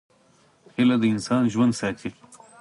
هیله انسان ژوندی ساتي.